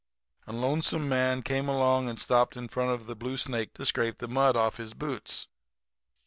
"A lonesome man came along and stopped in front of the Blue Snake to scrape the mud off his boots.